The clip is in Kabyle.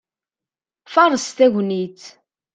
Faṛeṣ tagnit!